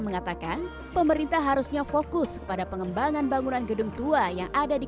mengatakan pemerintah harusnya fokus kepada pengembangan bangunan gedung tua yang ada di